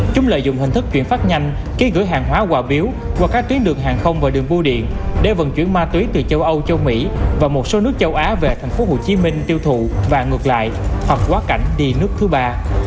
chúng lợi dụng hình thức chuyển phát nhanh ký gửi hàng hóa quả biếu qua các tuyến đường hàng không và đường vô điện để vận chuyển ma túy từ châu âu châu mỹ và một số nước châu á về thành phố hồ chí minh tiêu thụ và ngược lại hoặc quá cảnh đi nước thứ ba